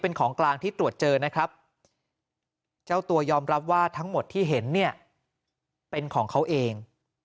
เป็นของกลางที่ตรวจเจอนะครับเจ้าตัวยอมรับว่าทั้งหมดที่เห็นเนี่ยเป็นของเขาเอง